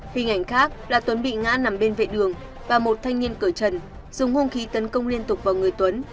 hình ảnh khác là tuấn bị ngã nằm bên vệ đường và một thanh niên cỡ trần dùng hung khí tấn công liên tục vào người tuấn